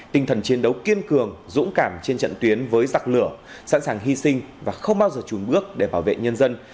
tinh thần chiến đấu kiên cường dũng cảm trên trận tuyến với giặc lửa sẵn sàng hy sinh và không bao giờ trùn bước để bảo vệ nhân dân